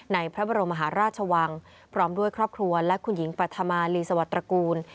พระบรมมหาราชวังพร้อมด้วยครอบครัวและคุณหญิงปัธมาลีสวัสตระกูล